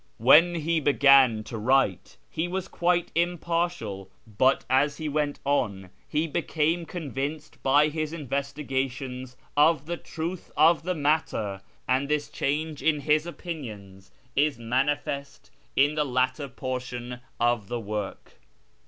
When he began to write he was quite impartial, but as he went on he became convinced by his investigations of the truth of the matter, and this change in his opinions is manifest in the later portion of the work.